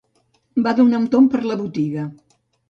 Va donar un tom per la botiga